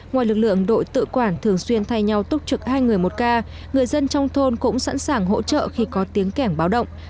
ngoài lực lượng đội tự quản thường xuyên thay nhau túc trực hai người một ca người dân trong thôn cũng sẵn sàng hỗ trợ khi có tiếng kẻng báo động